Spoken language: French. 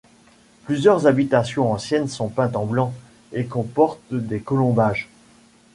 Plusieurs habitations anciennes sont peintes en blanc et comportent des colombages.